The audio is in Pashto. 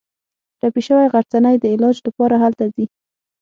ټپي شوې غرڅنۍ د علاج لپاره هلته ځي.